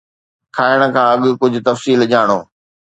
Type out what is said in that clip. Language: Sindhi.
کائڻ کان اڳ ڪجھ تفصيل ڄاڻو